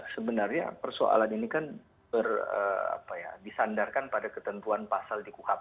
sebenarnya persoalan ini kan disandarkan pada ketentuan pasal di kuhap